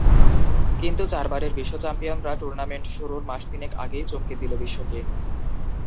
কিন্তু চারবারের বিশ্ব চ্যাম্পিয়নরা টুর্নামেন্ট শুরুর মাস তিনেক আগেই চমকে দিল বিশ্বকে।